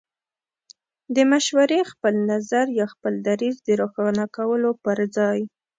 د مشورې، خپل نظر يا خپل دريځ د روښانه کولو پر ځای